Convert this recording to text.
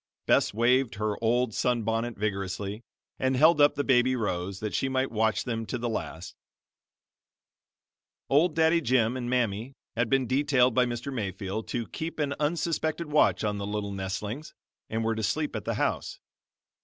Bess waved her old sun bonnet vigorously, and held up the baby Rose, that she might watch them to the last. Old Daddy Jim and Mammy had been detailed by Mr. Mayfield to keep an unsuspected watch on the little nestlings, and were to sleep at the house.